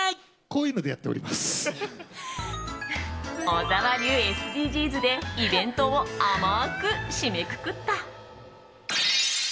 小沢流ＳＤＧｓでイベントをあまく締めくくった。